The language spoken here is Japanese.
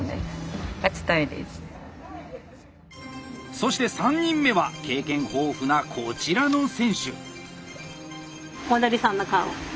そして３人目は経験豊富なこちらの選手！